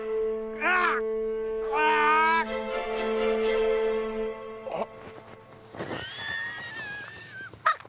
あっ。